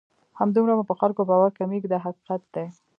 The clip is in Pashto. همدومره مو پر خلکو باور کمیږي دا حقیقت دی.